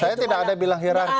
saya tidak ada bilang hirarki